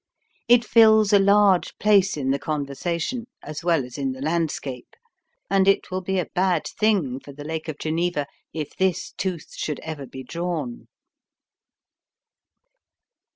It fills a large place in the conversation as well as in the landscape, and it will be a bad thing for the Lake of Geneva if this tooth should ever be drawn.